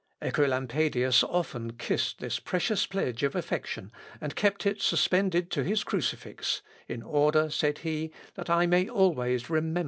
Œcolampadius often kissed this precious pledge of affection, and kept it suspended to his crucifix, "in order," said he, "that I may always remember Erasmus in my prayers."